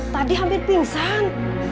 tadi hampir pingsan